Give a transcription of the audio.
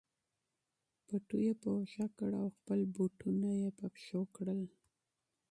پټو یې په اوږه کړ او خپل بوټونه یې په پښو کړل.